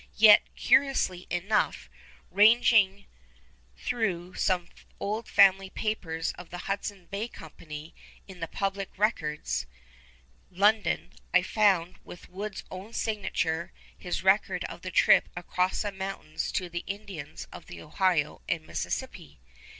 Yet, curiously enough, ranging through some old family papers of the Hudson's Bay Company in the Public Records, London, I found with Wood's own signature his record of the trip across the mountains to the Indians of the Ohio and the Mississippi.